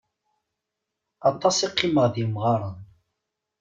Aṭas i qqimeɣ d yemɣaren.